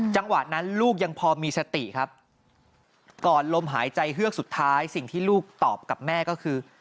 จังหวะนั้นลูกยังพอมีสติครับก่อนลมหายใจเฮือกสุดท้ายสิ่งที่ลูกตอบกับแม่ก็คือ